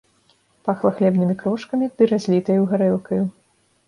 Пахла хлебнымі крошкамі ды разлітаю гарэлкаю.